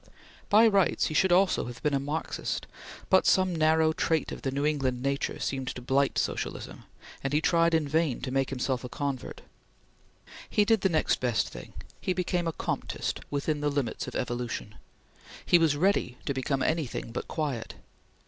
By rights, he should have been also a Marxist but some narrow trait of the New England nature seemed to blight socialism, and he tried in vain to make himself a convert. He did the next best thing; he became a Comteist, within the limits of evolution. He was ready to become anything but quiet.